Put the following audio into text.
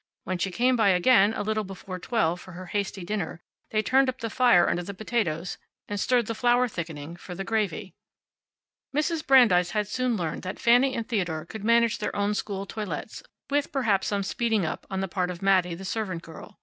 When she came by again, a little before twelve, for her hasty dinner, they turned up the fire under the potatoes and stirred the flour thickening for the gravy. Mrs. Brandeis had soon learned that Fanny and Theodore could manage their own school toilettes, with, perhaps, some speeding up on the part of Mattie, the servant girl.